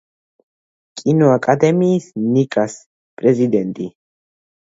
კინოაკადემიის ნიკას პრეზიდენტი.